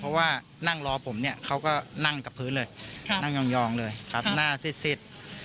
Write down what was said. เพราะว่านั่งรอผมเนี่ยเขาก็นั่งกับพื้นเลยนั่งยองเลยครับหน้าซิด